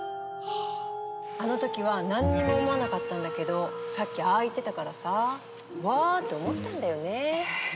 あのときは何にも思わなかったんだけどさっきああ言ってたからさわーって思ったんだよね。